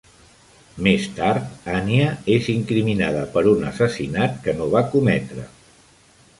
Més tard, Anya és incriminada per un assassinat que no va cometre.